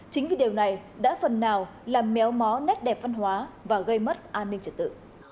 chính vì điều này đã phần nào làm méo mó nét đẹp văn hóa và gây mất an ninh trật tự